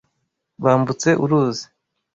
Bambutse uruzi.